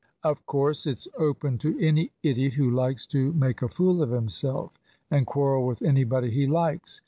"Of course it's open to any idiot who likes to make a fool of himself, and quarrel with anybody he likes.